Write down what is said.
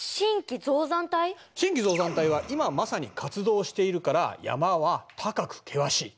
新期造山帯は今まさに活動をしているから山は高く険しい。